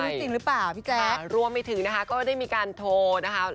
จริงหรือเปล่าพี่แจ๊ครวมไปถึงนะคะก็ได้มีการโทรนะคะ